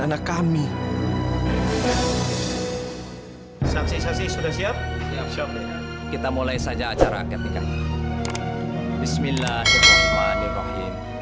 anak kami samsisi sudah siap siap kita mulai saja acara ketika bismillahirrahmanirrahim